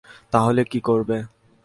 তাহলে কী করবে?